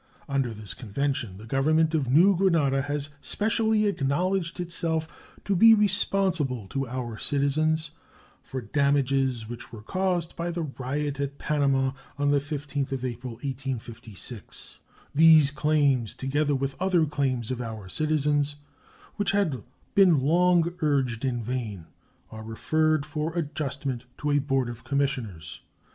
Under this convention the Government of New Granada has specially acknowledged itself to be responsible to our citizens "for damages which were caused by the riot at Panama on the 15th April, 1856." These claims, together with other claims of our citizens which had been long urged in vain, are referred for adjustment to a board of commissioners.